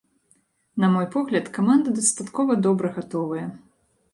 На мой погляд, каманда дастаткова добра гатовая.